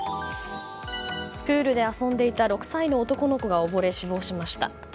プールで遊んでいた６歳の男の子が溺れ死亡しました。